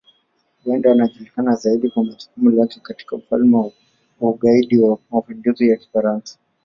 Huenda anajulikana zaidi kwa jukumu lake katika Ufalme wa Ugaidi wa Mapinduzi ya Kifaransa.